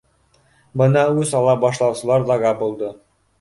Бына үс ала башлаусылар ҙа габылды